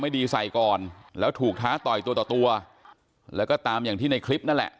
ไม่ดีใส่ก่อนแล้วถูกท้าต่อยตัวต่อตัวแล้วก็ตามอย่างที่ในคลิปนั่นแหละ